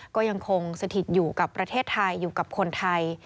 ก็ยังคงสถิตอยู่กับประเทศไทยอยู่กับคนไทย